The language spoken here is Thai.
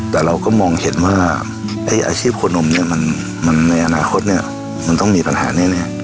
แต่เราก็มองเห็นว่าอาชีพโคนมเนี่ยมันในอนาคตเนี่ยมันต้องมีปัญหาแน่